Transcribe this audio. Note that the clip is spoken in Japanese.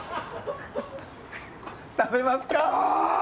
食べますか？